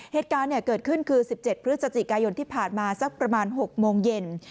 เหตุการณ์เกิดขึ้นคือ๑๗พฤศจิกายนที่ผ่านมาสักประมาณ๖โมงเย็น